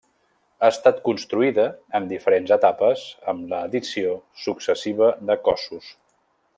Ha estat construïda en diferents etapes amb l'addició successiva de cossos.